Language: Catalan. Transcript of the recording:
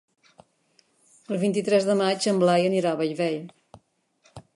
El vint-i-tres de maig en Blai anirà a Bellvei.